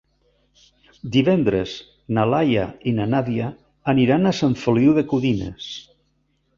Divendres na Laia i na Nàdia aniran a Sant Feliu de Codines.